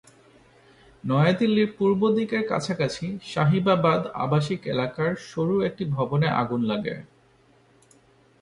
নয়াদিল্লির পূর্ব দিকের কাছাকাছি শাহিবাবাদ আবাসিক এলাকার সরু একটি ভবনে আগুন লাগে।